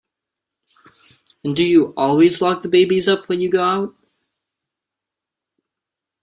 And do you always lock the babies up when you go out?